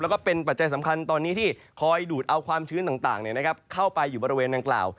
แล้วก็เป็นปัจจัยสำคัญตอนนี้ที่คอยดูดเอาความชื้นต่างเข้าไปอยู่บริเวณดังกล่าว